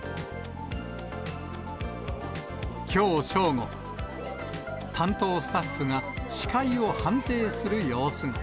きょう正午、担当スタッフが視界を判定する様子が。